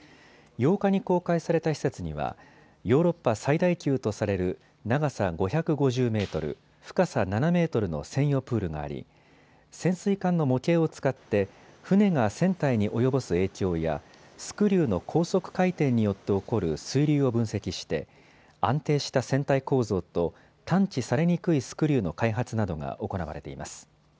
８日に公開された施設にはヨーロッパ最大級とされる長さ５５０メートル、深さ７メートルの専用プールがあり潜水艦の模型を使って船が船体に及ぼす影響やスクリューの高速回転によって起こる水流を分析して安定した船体構造と探知されにくいスクリューの開発などが行われています。